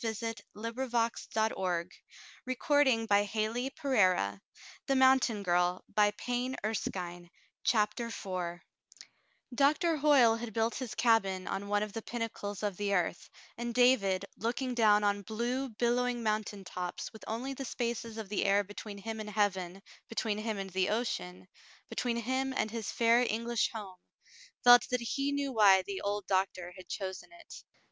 CHAPTER IV DAVID SPENDS HIS FIRST DAY AT HIS CABIN, AND FRALE ]VIAKES HIS CONFESSION Doctor Hoyle had built his cabin on one of the pinna cles of the earth, and David, looking down on blue bil lowing mountain tops with only the spaces of the air between him and heaven — between him and the ocean — between him and his fair English home — felt that he knew why the old doctor had chosen it.